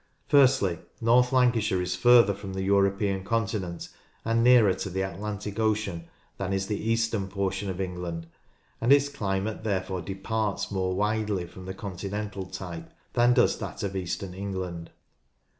Firstly, North Lancashire is further from the European continent and nearer to the Atlantic Ocean than is the eastern portion of England, and its climate therefore departs more widely from the continental type than does that of eastern Eng land.